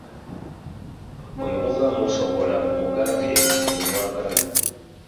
Bwe muba musobola mumugabe gye mwagala.